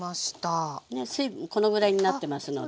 水分このぐらいになってますので。